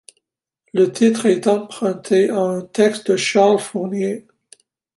Le titre est emprunté à un texte de Charles Fourier.